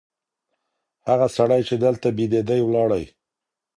هغه سړی چي دلته بېدېدی ولاړی.